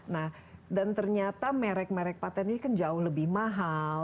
nah dan ternyata merek merek patent ini kan jauh lebih mahal